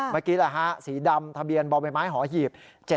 เมื่อกี้สีดำทะเบียนบ่อใบไม้หอหีบ